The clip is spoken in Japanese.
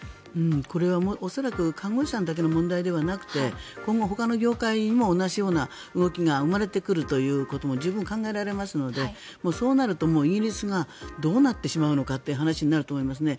これは恐らく看護師さんだけの問題ではなくて今後、ほかの業界にも同じような動きが生まれてくることも十分考えられますのでそうなるとイギリスがどうなってしまうのかという話になると思いますね。